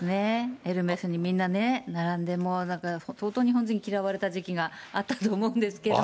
エルメスにみんな並んで、もうだから相当日本人嫌われた時期があったと思うんですけど。